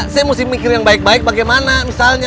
saya mesti mikir yang baik baik bagaimana misalnya